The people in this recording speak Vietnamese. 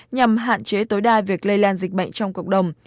nhằm hạn chế tối đa việc lây lan dịch bệnh trong cộng đồng